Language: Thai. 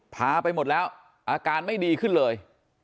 พาไปหมดแล้วอาการไม่ดีขึ้นเลย